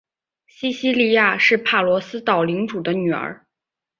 西西莉亚是帕罗斯岛领主的女儿。